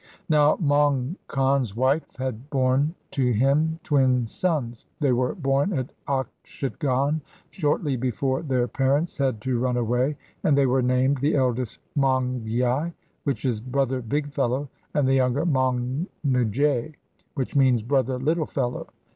Now, Maung Kan's wife had born to him twin sons. They were born at Okshitgon shortly before their parents had to run away, and they were named, the eldest Maung Gyi, which is Brother Big fellow, and the younger Maung Ngè, which means Brother Little fellow.